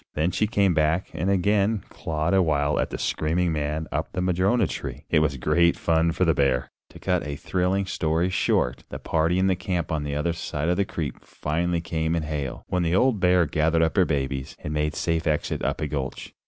Then she came back and again clawed a while at the screaming man up the madrona tree. It was great fun for the bear! To cut a thrilling story short, the party in camp on the other side of the creek finally came in hail, when the old bear gathered up her babies and made safe exit up a gulch.